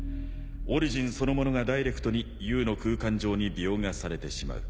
オリジンそのものがダイレクトにＵの空間上に描画されてしまう。